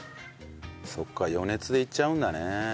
そうか余熱でいっちゃうんだね。